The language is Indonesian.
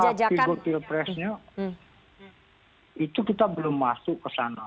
salah figur figur presnya itu kita belum masuk ke sana